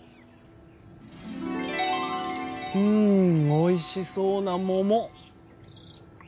うんおいしそうな桃。